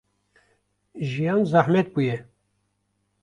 Jiyan zehmet bûye.